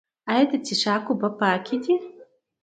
آیا د څښاک اوبه پاکې دي؟